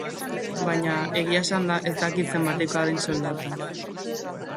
Baina, egia esanda, ez dakit zenbatekoa den soldata.